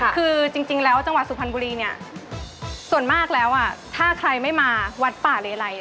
คือจริงแล้วจังหวัดสุพรรณบุรีเนี่ยส่วนมากแล้วถ้าใครไม่มาวัดป่าเลไล